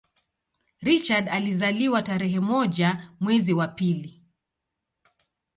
Richard alizaliwa tarehe moja mwezi wa pili